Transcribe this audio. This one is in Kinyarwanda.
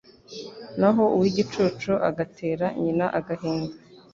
naho uw’igicucu agatera nyina agahinda